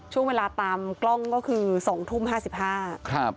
ช่วงเวลาตามกล้องก็คือ๒ทุ่ม๕๕นาที